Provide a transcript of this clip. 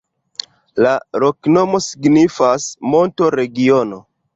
La loknomo signifas: monto-regiono.